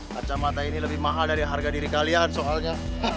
kacamata ini lebih mahal dari harga diri kalian soalnya